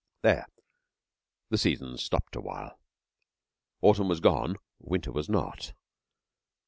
There the seasons stopped awhile. Autumn was gone, Winter was not.